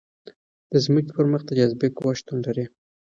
د ځمکې پر مخ د جاذبې قوه شتون لري.